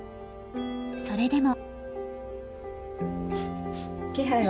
それでも。